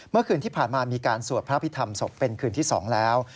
เมื่อคืนที่ผ่านมามีการสวดพระพิธรรมศพเป็นคืนที่๒แล้ว